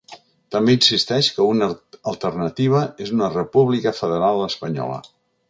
També insisteix que una alternativa és una república federal espanyola.